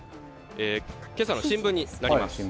けさの新聞になります。